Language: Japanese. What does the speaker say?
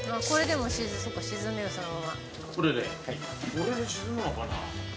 これで沈むのかな？